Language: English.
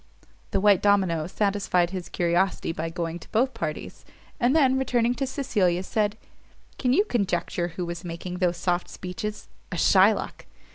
The white domino satisfied his curiosity by going to both parties; and then, returning to Cecilia, said, "Can you conjecture who was making those soft speeches? a Shylock!